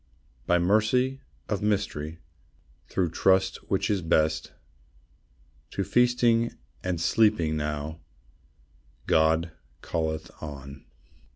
By mercy of mystery, Through trust which is best, To feasting and sleeping now, God calleth on.